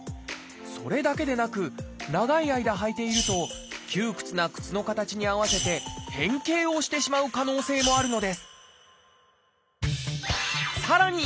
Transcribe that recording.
それだけでなく長い間履いていると窮屈な靴の形に合わせて変形をしてしまう可能性もあるのですさらに